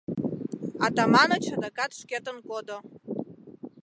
Атаманыч адакат шкетын кодо.